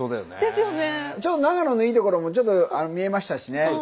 長野のいいところもちょっと見えましたしね。